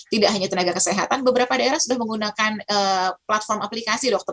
tidak hanya tenaga kesehatan beberapa daerah sudah menggunakan platform aplikasi dokter